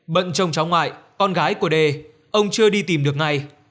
bận trông cháu ngoại con gái của đê ông chưa đi tìm được ngay